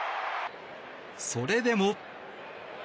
それでも。